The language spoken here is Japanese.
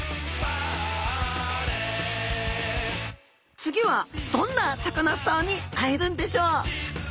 次はどんなサカナスターに会えるんでしょう。